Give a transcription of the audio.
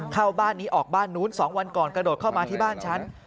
เข้าบ้านนี้ออกบ้านนู้น๒วันก่อนกระโดดเข้ามาที่บ้านฉัน